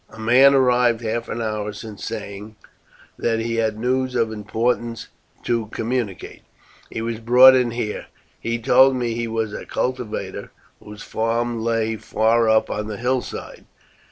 "A man arrived half an hour since saying that he had news of importance to communicate. He was brought in here. He told me he was a cultivator whose farm lay far up on the hillside.